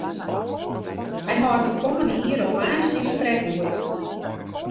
Hy hâldt it kommende jier op woansdei sprekoere.